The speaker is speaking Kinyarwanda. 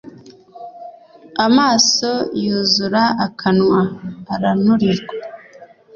Amaso yuzura akanwa aranurirwa